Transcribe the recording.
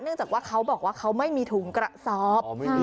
จากว่าเขาบอกว่าเขาไม่มีถุงกระสอบ